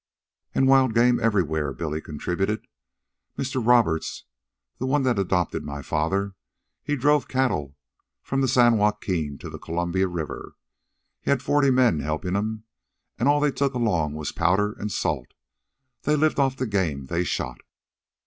"And wild game everywhere," Billy contributed. "Mr. Roberts, the one that adopted my father, he drove cattle from the San Joaquin to the Columbia river. He had forty men helpin' him, an' all they took along was powder an' salt. They lived off the game they shot."